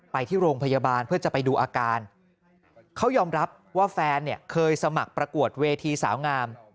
ไปที่โรงพยาบาลเพื่อจะไปดูอาการเขายอมรับว่าแฟนเนี่ยเคยสมัครประกวดเวทีสาวงาม